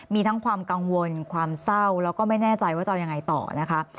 มีทั้งความกังวลความเศร้าแล้วก็ไม่แน่ใจว่าจะเอายังไงต่อนะคะ